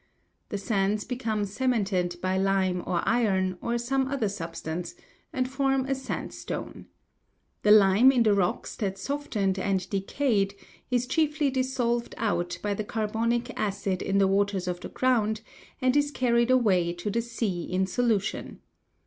The sands become cemented by lime or iron, or some other substance, and form a sandstone. The lime in the rocks that softened and decayed is chiefly dissolved out by the carbonic acid in the waters of the ground, and is carried away to the sea in solution.